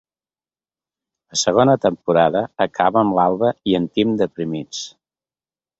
La segona temporada acaba amb l'Alba i en Tim deprimits.